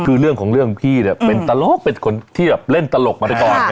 คือเรื่องของเรื่องพี่เนี่ยเป็นตลกเป็นคนที่แบบเล่นตลกมาได้ก่อน